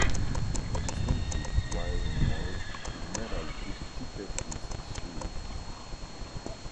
A distinctive whirring noise is made as each ticket is issued.